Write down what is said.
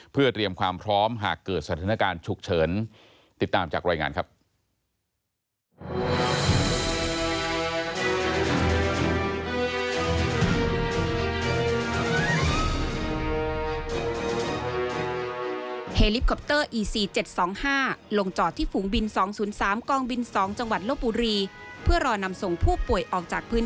เพื่อเตรียมความพร้อมหากเกิดสถานการณ์ฉุกเฉิน